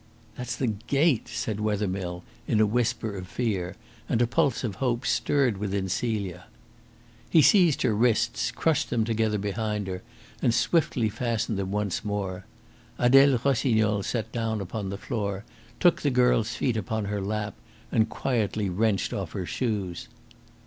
"That's the gate," said Wethermill in a whisper of fear, and a pulse of hope stirred within Celia. He seized her wrists, crushed them together behind her, and swiftly fastened them once more. Adele Rossignol sat down upon the floor, took the girl's feet upon her lap, and quietly wrenched off her shoes.